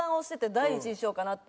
誰１位にしようかなって。